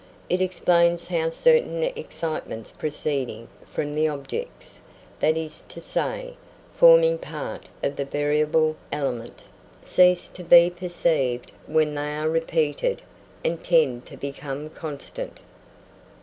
It explains how certain excitements proceeding from the objects that is to say, forming part of the variable element cease to be perceived when they are repeated and tend to become constant.